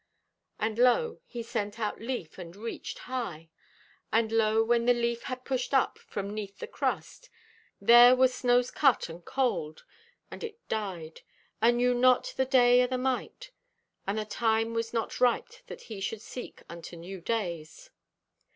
"And lo, he sent out leaf, and reached high. And lo, when the leaf had pushed up from 'neath the crust, there were snow's cut and cold, and it died, and knew not the Day o' the Mite: for the time was not riped that he should seek unto new days.